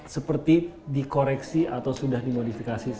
seperti dikoreksi atau sudah dimodifikasi